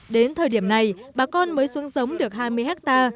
đến thời điểm này bà con mới xuân giống được hai mươi ha